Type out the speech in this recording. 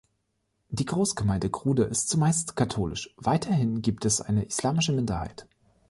Die Großgemeinde Grude ist zumeist katholisch, weiterhin gibt es eine islamische Minderheit.